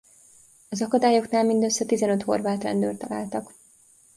Az akadályoknál mindössze tizenöt horvát rendőrt találtak.